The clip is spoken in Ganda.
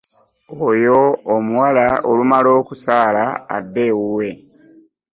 Oyo omuwala olumala okusaala adde ewuwe.